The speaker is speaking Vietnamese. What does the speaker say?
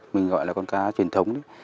mình gọi là con cá truyền thống